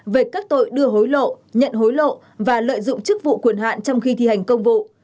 về các tội đưa hối lộ nhận hối lộ và lợi dụng chức vụ quyền hạn trong khi thi hành công vụ